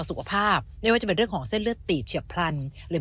สุขภาพไม่ว่าจะเป็นเรื่องของเส้นเลือดตีบเฉียบพลันหรือ